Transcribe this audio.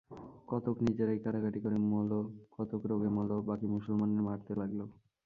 কতক নিজেরাই কাটাকাটি করে মলো, কতক রোগে মলো, বাকী মুসলমানে মারতে লাগল।